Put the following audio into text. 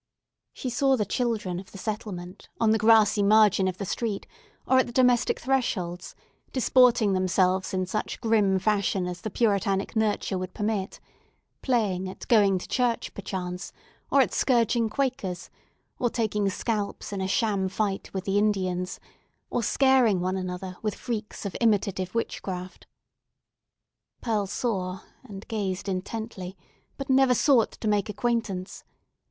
She saw the children of the settlement on the grassy margin of the street, or at the domestic thresholds, disporting themselves in such grim fashions as the Puritanic nurture would permit; playing at going to church, perchance, or at scourging Quakers; or taking scalps in a sham fight with the Indians, or scaring one another with freaks of imitative witchcraft. Pearl saw, and gazed intently, but never sought to make acquaintance.